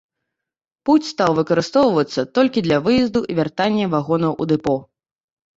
Пуць стаў выкарыстоўвацца толькі для выезду і вяртання вагонаў у дэпо.